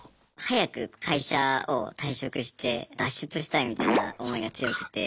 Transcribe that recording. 早く会社を退職して脱出したいみたいな思いが強くて。